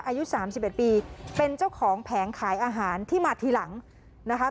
อายุสามสิบเอ็ดปีเป็นเจ้าของแผงขายอาหารที่มาทีหลังนะคะ